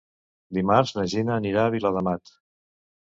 Dimarts na Gina anirà a Viladamat.